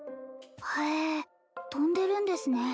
はえ飛んでるんですね